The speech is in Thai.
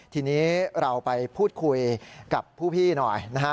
ทีนี้เราไปพูดคุยกับผู้พี่หน่อยนะฮะ